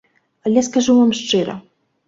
Але скажу вам шчыра.